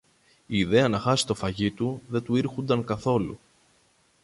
Η ιδέα να χάσει το φαγί του δεν του ήρχουνταν καθόλου.